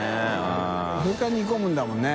發Γ渦煮込むんだもんね。